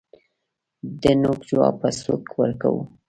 دنوک جواب په سوک ورکوو